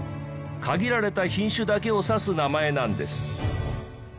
限られた品種だけを指す名前なんです。